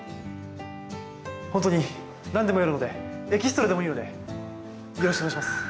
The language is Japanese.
ホントに何でもやるのでエキストラでもいいのでよろしくお願いします